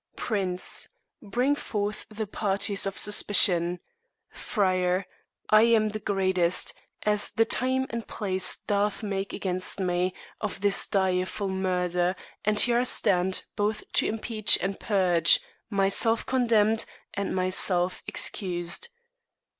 PRINCE. Bring forth the parties of suspicion. FRIAR. I am the greatest, as the time and place Doth make against me, of this direful murder; And here I stand, both to impeach and purge. Myself condemned and myself excused.